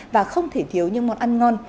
và không thể thiếu những món ăn ngon